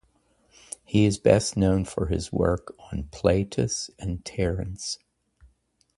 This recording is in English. He is best known for his work on Plautus and Terence.